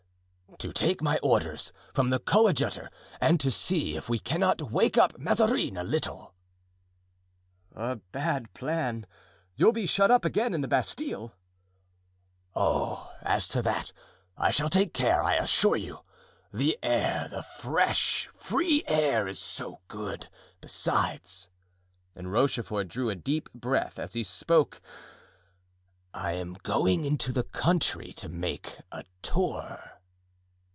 "To take my orders from the coadjutor and to see if we cannot wake up Mazarin a little." "A bad plan; you'll be shut up again in the Bastile." "Oh, as to that, I shall take care, I assure you. The air, the fresh, free air is so good; besides," and Rochefort drew a deep breath as he spoke, "I am going into the country to make a tour."